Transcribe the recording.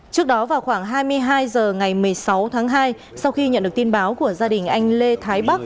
trước đó vào khoảng hai mươi hai h ngày một mươi sáu tháng hai sau khi nhận được tin báo của gia đình anh lê thái bắc